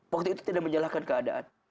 waktu itu tidak menyalahkan keadaan